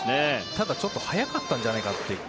ただ、ちょっと早かったんじゃないかという。